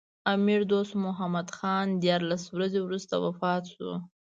امیر دوست محمد خان دیارلس ورځې وروسته وفات شو.